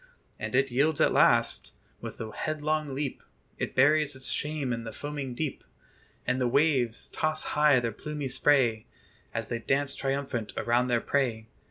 And it yields at last: with a headlong leap It buries its shame in the foaming deep, And the waves toss high their plumy spray, As they dance triumphant around their prey.